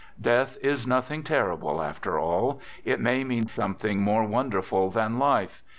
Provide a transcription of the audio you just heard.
Ueath is nothing terrible after alL It may mean something more wonderful than life.